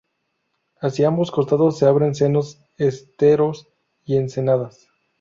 Hacia ambos costados se abren senos, esteros y ensenadas.